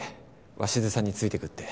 鷲津さんについてくって。